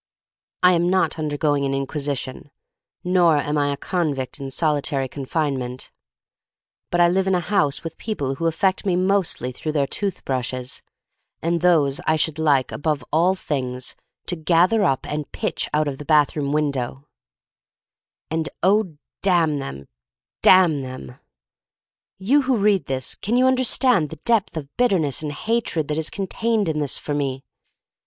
I am not undergoing an Inquisition, nor am I a convict in solitary confine ( 124 THE STORY OF MARY MAC LANE ment. But I live in a house with people who affect me mostly through their tooth brushes — and those I should like, above all things, to gather up and pitch out of the bathroom window — and oh, damn them, damn theml You who read this, can you under stand the depth of bitterness and hatred that is contained in this for me?